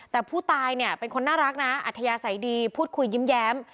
แต่ผู้ตายเป็นคนน่ารักอัธญาใสดีพูดคุยยื้มแย้ม